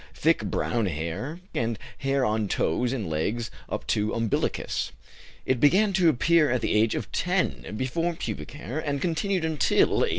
Thick brown hair; pubic hair thick, and hair on toes and legs up to umbilicus; it began to appear at the age of 10 (before pubic hair) and continued until 18.